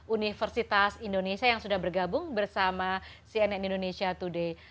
universitas indonesia yang sudah bergabung bersama cnn indonesia today